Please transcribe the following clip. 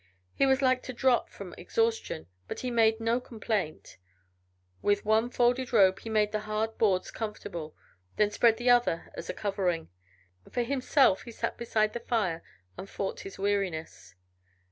He was like to drop from exhaustion, but he made no complaint. With one folded robe he made the hard boards comfortable, then spread the other as a covering. For himself he sat beside the fire and fought his weariness.